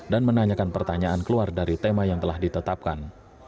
dan menanyakan pertanyaan keluar dari tema yang telah ditetapkan